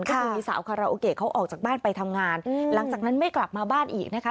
ก็คือมีสาวคาราโอเกะเขาออกจากบ้านไปทำงานหลังจากนั้นไม่กลับมาบ้านอีกนะคะ